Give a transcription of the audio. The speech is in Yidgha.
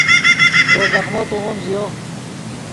ترے زخمو توغیم دے